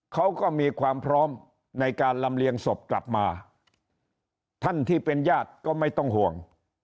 เขาก็มีความพร้อมในการลำเลียงศพกลับมาท่านที่เป็นญาติก็ไม่ต้องห่วง